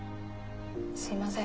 すいません。